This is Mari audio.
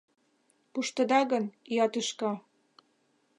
Пуштыда гын, ия тӱшка?